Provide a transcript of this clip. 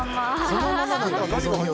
このままなんだ。